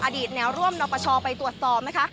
แนวร่วมนปชไปตรวจสอบนะคะ